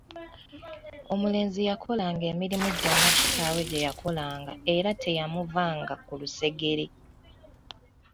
Omulenzi yakolanga emirimu gyonna kitaawe gye yakolanga era teyamuvanga ku lusegere.